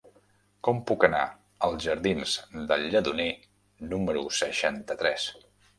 Com puc anar als jardins del Lledoner número seixanta-tres?